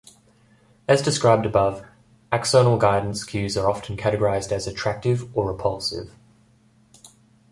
As described above, axonal guidance cues are often categorized as "attractive" or "repulsive.